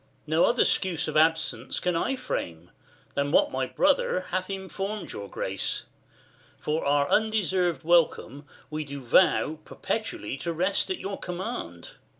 Cam. No other 'scuse of absence can I frame, Than what my brother hath inform'd your grace : For our undeserved welcome, we do vow, 60 Perpetually to rest at your command.